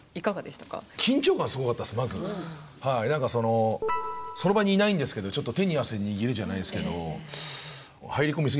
何かそのその場にいないんですけどちょっと手に汗握るじゃないですけど入り込み過ぎちゃって。